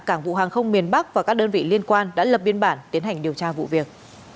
cảng vụ hàng không miền bắc và các đơn vị liên quan đã lập biên bản tiến hành điều tra vụ việc